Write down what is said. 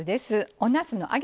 おなすの揚げ